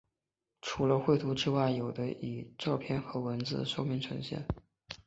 除了绘图之外有的以照片和文字说明呈现。